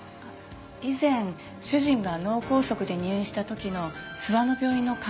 以前主人が脳梗塞で入院した時の諏訪の病院の看護師さんです。